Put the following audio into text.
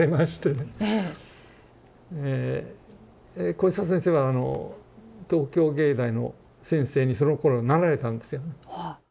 小磯先生はあの東京藝大の先生にそのころなられたんですよね。